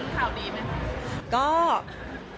กลับมาก็ได้รุ้นข่าวดีไหม